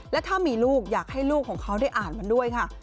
และถ้ามีลูกอยากให้ลูกของเขาได้อ่านมันด้วยค่ะ